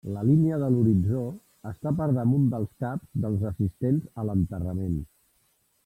La línia de l'horitzó està per damunt dels caps dels assistents a l'enterrament.